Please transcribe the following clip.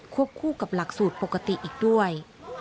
คู่กับหลักสูตรปกติอีกด้วย